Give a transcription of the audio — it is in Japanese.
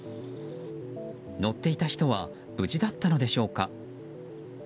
乗っていた人は無事だったのでしょうか。